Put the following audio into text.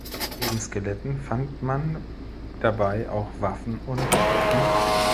Neben Skeletten fand man dabei auch Waffen und Schmuck.